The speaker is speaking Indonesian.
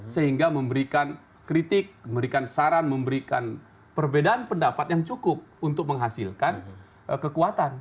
sehingga memberikan kritik memberikan saran memberikan perbedaan pendapat yang cukup untuk menghasilkan kekuatan